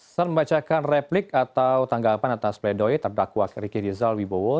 selain membacakan replik atau tanggapan atas pledoi terdakwa riki rizal wibowo